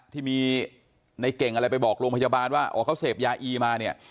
ที่มีในเก่งอะไรไปบอกโรงพยาบาลว่าอ๋อเขาเสพยาอีมาเนี่ย